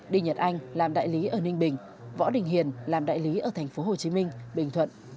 đinh nhật anh làm đại lý ở ninh bình võ đình hiền làm đại lý ở tp hcm bình thuận